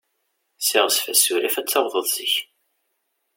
Ssiɣzef asurif, ad tawḍeḍ zik.